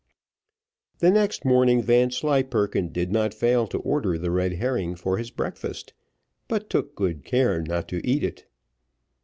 The next morning Vanslyperken did not fail to order the red herring for his breakfast, but took good care not to eat it.